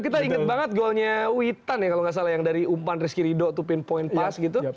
kita inget banget golnya witan ya kalau nggak salah yang dari umpan rizky rido to pinpoint pass gitu